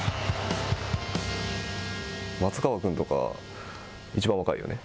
松川君とか、いちばん若いよね。